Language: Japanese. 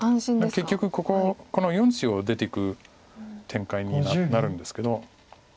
結局こここの４子を出ていく展開になるんですけど。